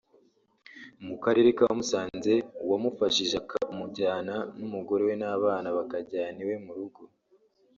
mu karere ka Musanze] wamufashije akamujyanana n’umugore we n’abana bakajyana iwe mu rugo